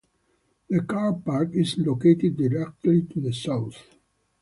The carpark is located directly to the south.